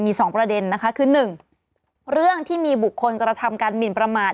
มีสองประเด็นนะคะคือ๑เรื่องที่มีบุคคลกระทำการหมินประมาท